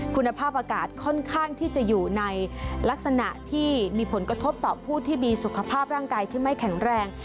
คุณภาพอากาศค่อนข้างที่จะอยู่ในลักษณะที่มีผลกระทบต่อผู้ที่มีสุขภาพร่างกายที่ไม่แข็งแรง